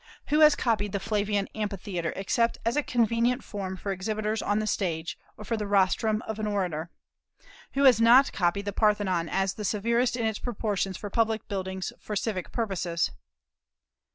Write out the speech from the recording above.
Who has copied the Flavian amphitheatre except as a convenient form for exhibitors on the stage, or for the rostrum of an orator? Who has not copied the Parthenon as the severest in its proportions for public buildings for civic purposes?